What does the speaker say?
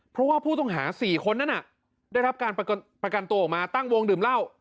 เพราะว่าผู้ต้องหา๔คนนั้นได้รับการประกันตัวออกมาตั้งวงดื่มเหล้า